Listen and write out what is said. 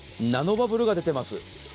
ナノバブルが出てます。